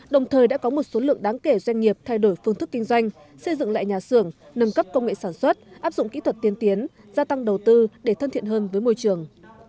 đồng thời đã có một số lượng đáng kể doanh nghiệp thay đổi phương thức kinh doanh xây dựng lại nhà xưởng nâng cấp công nghệ sản xuất áp dụng kỹ thuật tiên tiến gia tăng đầu tư để thân thiện hơn với môi trường